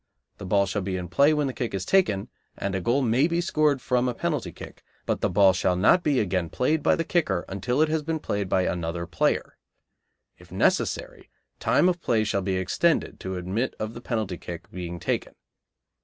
The ball shall be in play when the kick is taken, and a goal may be scored from a penalty kick; but the ball shall not be again played by the kicker until it has been played by another player. If necessary, time of play shall be extended to admit of the penalty kick being taken.